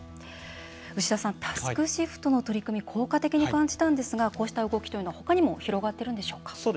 牛田さん、タスクシフトの取り組み効果的に感じたんですがこうした動きというのは他にも広がってるんでしょうか。